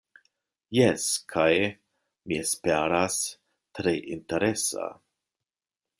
Jes, kaj, mi esperas, tre interesa.